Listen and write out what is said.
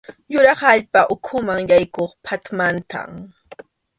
Yurap allpa ukhuman yaykuq phatmantam.